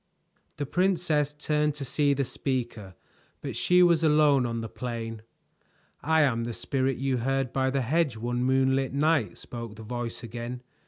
The princess turned to see the speaker, but she was alone on the plain. "I am the Spirit you heard by the hedge one moonlight night," spoke the voice again.